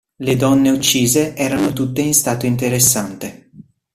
Le donne uccise erano tutte in stato interessante.